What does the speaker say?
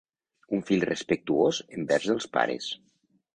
Un fill respectuós envers els pares.